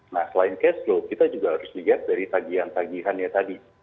nah selain cash flow kita juga harus lihat dari tagihan tagihannya tadi